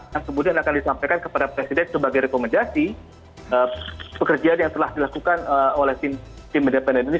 yang kemudian akan disampaikan kepada presiden sebagai rekomendasi pekerjaan yang telah dilakukan oleh tim independen ini